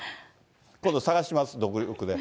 今度探します、独力で。